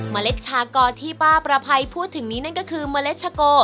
เล็ดชากอที่ป้าประภัยพูดถึงนี้นั่นก็คือเมล็ดชะโก